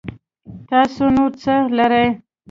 تاسو نور څه لرئ